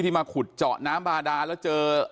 มาขุดเจาะน้ำบาดาแล้วเจอ